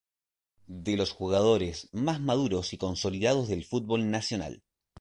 De los jugadores más maduros y consolidados del fútbol nacional.